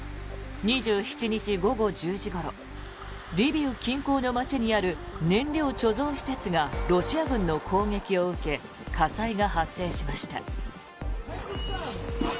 ２７日午後１０時ごろリビウ近郊の街にある燃料貯蔵施設がロシア軍の攻撃を受け火災が発生しました。